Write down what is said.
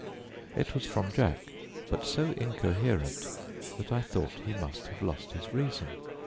It was from Jack, but so incoherent that I thought he must have lost his reason.